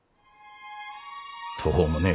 途方もねえ